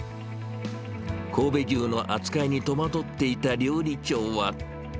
神戸牛の扱いに戸惑っていた料理長は。